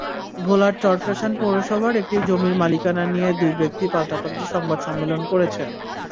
ভোলার চরফ্যাশন পৌরসভার একটি জমির মালিকানা নিয়ে দুই ব্যক্তি পাল্টাপাল্টি সংবাদ সম্মেলন করেছেন।